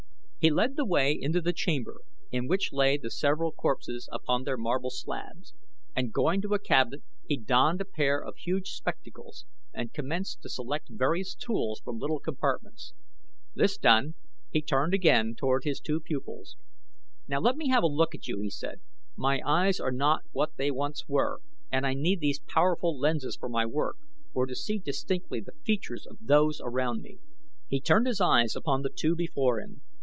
He led the way into the chamber in which lay the several corpses upon their marble slabs, and going to a cabinet he donned a pair of huge spectacles and commenced to select various tools from little compartments. This done he turned again toward his two pupils. "Now let me have a look at you," he said. "My eyes are not what they once were, and I need these powerful lenses for my work, or to see distinctly the features of those around me." He turned his eyes upon the two before him.